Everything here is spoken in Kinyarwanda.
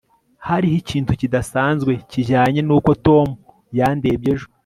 hariho ikintu kidasanzwe kijyanye nuko tom yandebye ejo